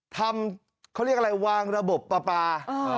ทำเขาเรียกอะไรวางระบบปลาปลา